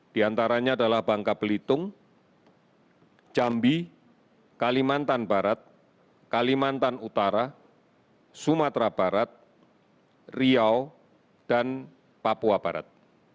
di antaranya adalah bangka belitung jambi kalimantan barat kalimantan utara sumatera barat riau dan papua barat